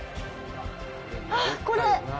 あっ、これ。